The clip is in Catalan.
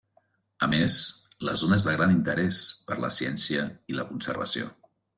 A més, la zona és de gran interès per la ciència i la conservació.